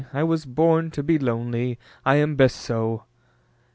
I was born to be lonely, I am best so!"